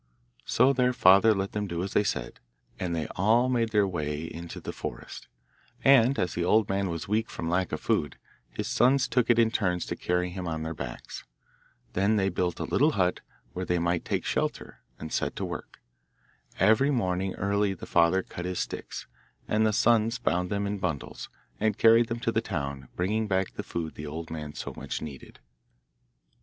So their father let them do as they said, and they all made their way into the forest; and as the old man was weak from lack of food his sons took it in turns to carry him on their backs. Then they built a little hut where they might take shelter, and set to work. Every morning early the father cut his sticks, and the sons bound them in bundles, and carried them to the town, bringing back the food the old man so much needed.